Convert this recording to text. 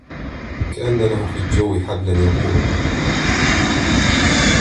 كأن له في الجو حبلا يبوعه